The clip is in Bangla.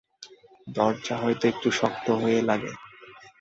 দরজা হয়তো একটু শক্ত হয়ে লাগে।